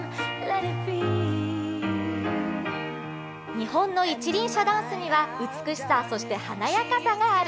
日本の一輪車ダンスには美しさ、そして華やかさがある。